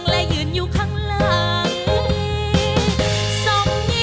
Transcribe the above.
ไม่ใช้